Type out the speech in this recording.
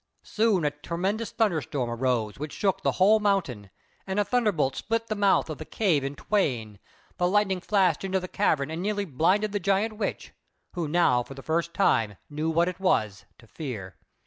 Soon a tremendous thunderstorm arose which shook the whole mountain, and a thunder bolt split the mouth of the cave in twain; the lightning flashed into the cavern and nearly blinded the Giant Witch, who now for the first time knew what it was to fear.